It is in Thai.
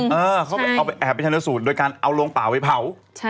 เออเขาเอาไปแอบไปชนสูตรโดยการเอาโรงเปล่าไปเผา